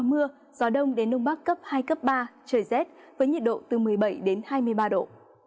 có mưa gió đông đến đông bắc cấp hai cấp ba trời rét với nhiệt độ từ một mươi bảy đến hai mươi ba độ